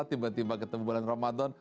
tiba tiba ketemu bulan ramadan